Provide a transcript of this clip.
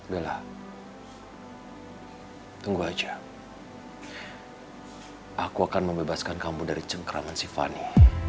bella tunggu aja aku akan membebaskan kamu dari cengkraman sivani